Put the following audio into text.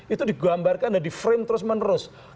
itu digambarkan dan di frame terus menerus